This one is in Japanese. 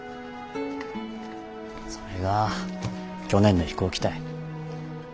それが去年の飛行機たい。